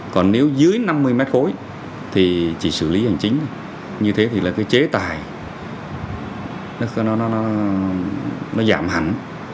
còn nếu dưới năm mươi mét khối thì chỉ xử lý hành chính như thế thì là cái chế tài nó giảm hẳn